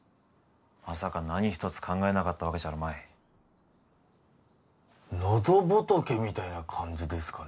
まさか何一つ考えなかったわけじゃあるまい喉仏みたいな感じですかね